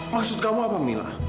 maksud kamu apa minah